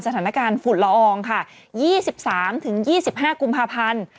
สถานการณ์ฝุ่นละอองค่ะ๒๓๒๕กุมภาพันธ์